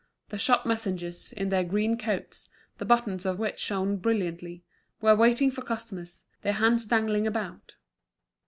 The shop messengers, in their green coats, the buttons of which shone brilliantly, were waiting for customers, their hands dangling about.